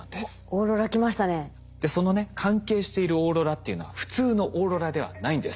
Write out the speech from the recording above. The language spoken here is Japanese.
そのね関係しているオーロラっていうのは普通のオーロラではないんです。